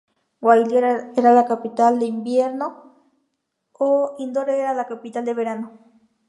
Gwalior era la capital de invierno e Indore era la capital de verano.